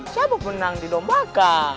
siapa penang didombakan